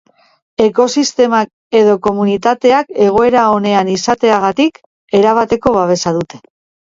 Ekosistemak edo komunitateak egoera onean izateagatik erabateko babesa dute.